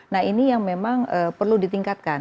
nah ini yang memang perlu ditingkatkan